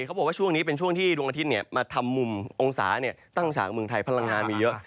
เขาบอกว่าช่วงนี้เป็นช่วงที่ดวงอาทิตย์มาทำมุมองศาตั้งฉากเมืองไทยพลังงานมีเยอะ